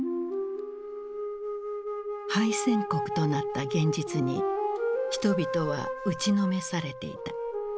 敗戦国となった現実に人々は打ちのめされていた。